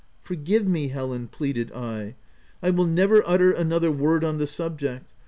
" Forgive me, Helen !" pleaded I, u I will never utter another word on the subject.